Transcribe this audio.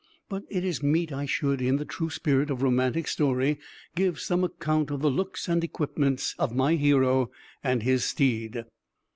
But it is meet I should, in the true spirit of romantic story, give some account of the looks and equipments of my hero and his steed.